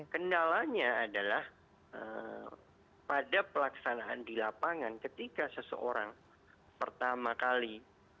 kendalanya adalah pada pelaksanaan di lapangan ketika seseorang pertama kali